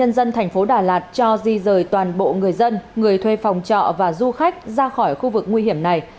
ubnd tp đà lạt cho di rời toàn bộ người dân người thuê phòng trọ và du khách ra khỏi khu vực nguy hiểm này